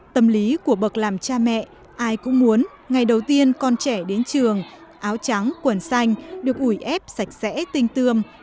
tâm lý của bậc làm cha mẹ ai cũng muốn ngày đầu tiên con trẻ đến trường áo trắng quần xanh được ủi ép sạch sẽ tinh tươm